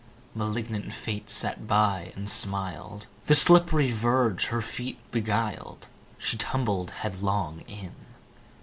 (Malignant Fate sat by, and smiled.) The slipp'ry verge her feet beguiled, She tumbled headlong in.